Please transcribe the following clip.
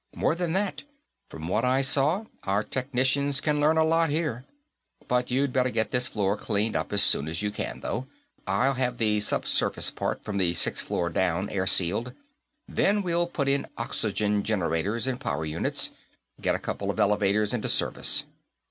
More than that; from what I saw, our technicians can learn a lot, here. But you'd better get this floor cleaned up as soon as you can, though. I'll have the subsurface part, from the sixth floor down, airsealed. Then we'll put in oxygen generators and power units, and get a couple of elevators into service.